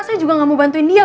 saya juga gak mau bantuin dia